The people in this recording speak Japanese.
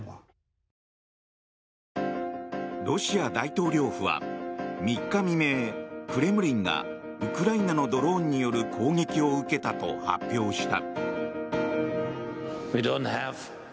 ロシア大統領府は３日未明クレムリンがウクライナのドローンによる攻撃を受けたと発表した。